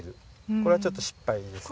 これはちょっと失敗ですね。